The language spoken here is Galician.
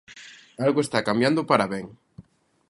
Algo está cambiando para ben.